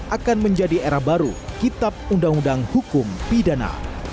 akan menjadi era baru kitab undang undang hukum pidana